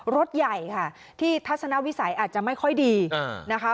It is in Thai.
รถใหญ่ค่ะที่ทัศนวิสัยอาจจะไม่ค่อยดีนะคะ